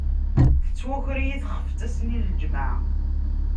Tettwaker-iyi texfet ass-nni n lǧemεa.